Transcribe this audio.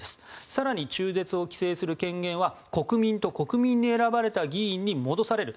更に、中絶を規制する権限は国民と国民に選ばれた議員に戻される。